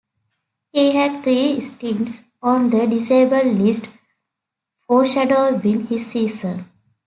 He had three stints on the disabled list, foreshadowing his season.